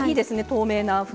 透明な袋。